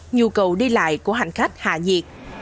nhu cầu đi lại của hành khách hạ nhiệt